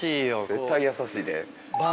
絶対優しいで。